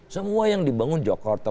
semua yang dibangun jakarta